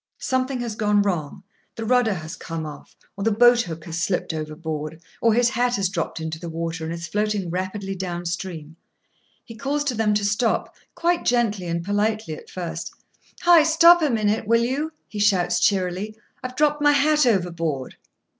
Something has gone wrong; the rudder has come off, or the boat hook has slipped overboard, or his hat has dropped into the water and is floating rapidly down stream. He calls to them to stop, quite gently and politely at first. [Picture: Hat in the water] "Hi! stop a minute, will you?" he shouts cheerily. "I've dropped my hat over board."